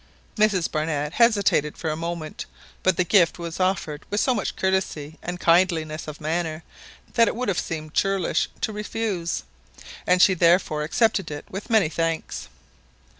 Mrs Barnett hesitated for a moment, but the gift was offered with so much courtesy and kindliness of manner, that it would have seemed churlish to refuse, and she therefore accepted it with many thanks.